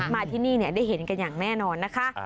มาที่นี่ได้เห็นกันอย่างแน่นอนนะคะ